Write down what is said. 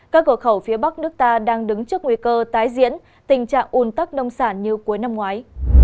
các cửa khẩu phía bắc nước ta đang đứng trước nguy cơ tái diễn tình trạng un tắc nông sản như cuối năm ngoái